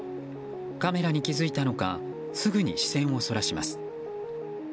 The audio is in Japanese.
カメラに気付いたのかすぐに視線をそらします。